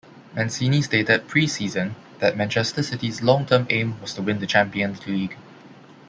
Mancini stated pre-season that Manchester City's long-term aim was to win the Champions League.